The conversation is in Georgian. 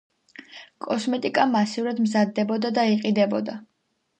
კოსმეტიკა მასიურად მზადდებოდა და იყიდებოდა.